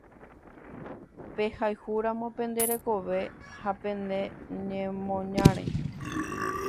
Pehayhúramo pende rekove ha pene ñemoñare.